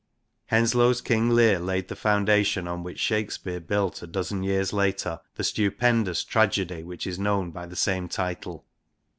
Henslowe's Kinge Leare laid the foundation on which Shakespeare built a dozen years later the stupendous tragedy which is known by the same title.